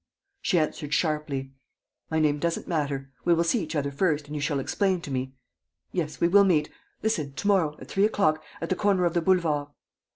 She answered sharply: "My name doesn't matter.... We will see each other first and you shall explain to me.... Yes, we will meet.... Listen, to morrow, at three o'clock, at the corner of the Boulevard...."